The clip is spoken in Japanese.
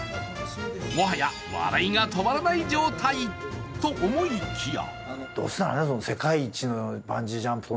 もはや笑いが止まらない状態と思いきや。